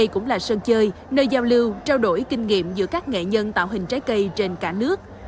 chơi nơi giao lưu trao đổi kinh nghiệm giữa các nghệ nhân tạo hình trái cây trên cả nước